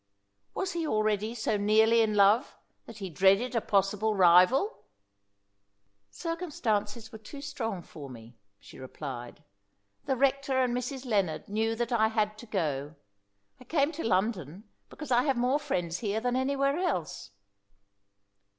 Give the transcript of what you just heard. Was he already so nearly in love that he dreaded a possible rival? "Circumstances were too strong for me," she replied. "The rector and Mrs. Lennard knew that I had to go. I came to London because I have more friends here than anywhere else."